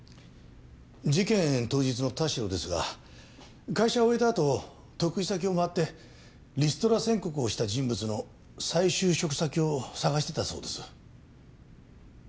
事件当日の田代ですが会社を終えたあと得意先を回ってリストラ宣告をした人物の再就職先を探してたそうです。